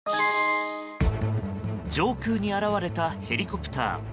上空に現れたヘリコプター。